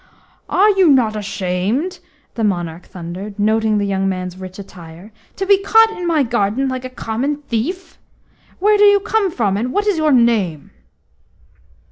"Are you not ashamed?" the monarch thundered, noting the young man's rich attire, "to be caught in my garden like a common thief? Where do you come from, and what is your name?"